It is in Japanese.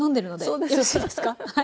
よろしいですか？